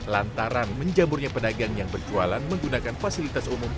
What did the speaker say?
lantaran menjamurnya pedagang yang berjualan menggunakan fasilitas umum